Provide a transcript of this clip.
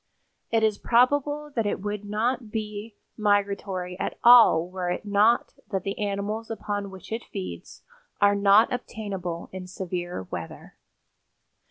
It is probable that it would not be migratory at all were it not that the animals upon which it feeds are not obtainable in severe weather.